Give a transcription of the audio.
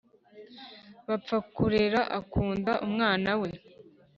Bapfa kurera akunda umwana we